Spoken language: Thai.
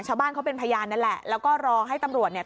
ชาวบ้านเขาเป็นพยานนั่นแหละแล้วก็รอให้ตำรวจเนี่ย